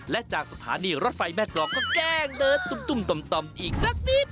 และจากสถานีรถไฟแม่กรองก็แกล้งเดินตุ้มต่อมอีกสักนิด